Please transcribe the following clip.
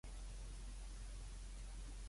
你好靚女